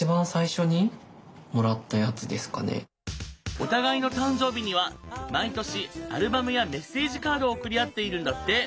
お互いの誕生日には毎年アルバムやメッセージカードを送り合っているんだって。